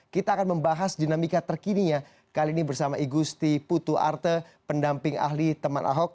kita akan membahas dinamika terkininya kali ini bersama igusti putu arte pendamping ahli teman ahok